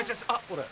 これ。